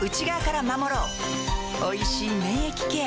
おいしい免疫ケア